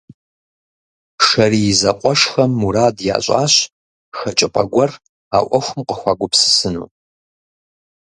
Шэрий зэкъуэшхэм мурад ящӏащ хэкӏыпӏэ гуэр а ӏуэхум къыхуагупсысыну.